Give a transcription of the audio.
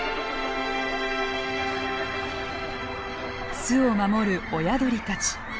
巣を守る親鳥たち。